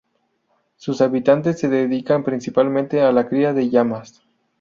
Sus habitantes se dedican principalmente a la cría de llamas.